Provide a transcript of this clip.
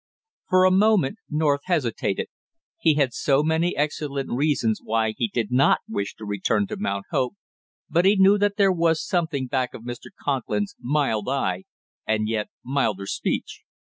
For a moment North hesitated. He had so many excellent reasons why he did not wish to return to Mount Hope, but he knew that there was something back of Mr. Conklin's mild eye and yet milder speech.